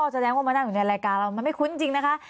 แสดงว่ามานั่งอยู่ในรายการเรามันไม่คุ้นจริงนะคะ